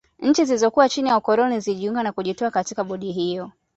Nchi zilizokuwa chini ya ukoloni zilijiunga na kujitoa katika bodi hiyo